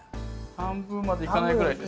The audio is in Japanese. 半分までいかないぐらいで。